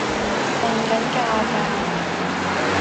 我訓緊覺㗎